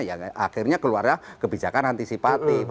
ya akhirnya keluarnya kebijakan antisipatif